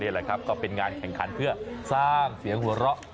แหละครับก็เป็นงานแข่งขันเพื่อสร้างเสียงหัวเราะ